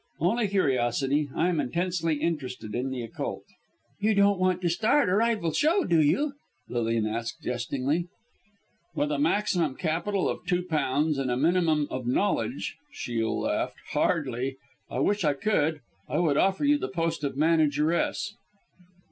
"Only curiosity. I am intensely interested in the occult." "You don't want to start a rival show, do you?" Lilian asked jestingly. "With a maximum capital of two pounds and a minimum of knowledge!" Shiel laughed. "Hardly. I wish I could. I would offer you the post of manageress."